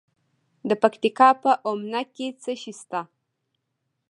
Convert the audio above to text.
د پکتیکا په اومنه کې څه شی شته؟